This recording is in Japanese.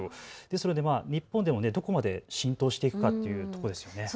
それが日本でどこまで浸透していくかというところですね。